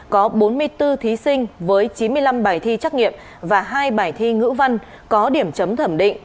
có bốn mươi bốn thí sinh với chín mươi năm bài thi trắc nghiệm và hai bài thi ngữ văn có điểm chấm thẩm định